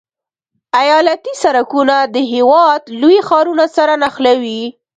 ایالتي سرکونه د هېواد لوی ښارونه سره نښلوي